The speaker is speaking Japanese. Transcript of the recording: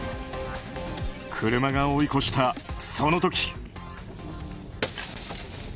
車が追い越した、その時。